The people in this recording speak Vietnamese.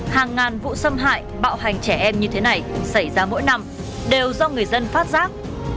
hàng ngàn vụ xâm hại bạo hành trẻ em như thế này xảy ra mỗi năm đều do người dân phát giác